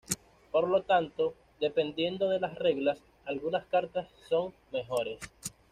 Por lo tanto, dependiendo de las reglas, algunas cartas son mejores.